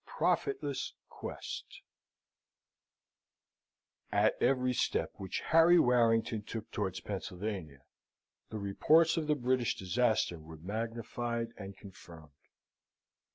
Profitless Quest At every step which Harry Warrington took towards Pennsylvania, the reports of the British disaster were magnified and confirmed.